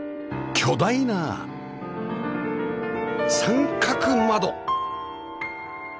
巨大な三角窓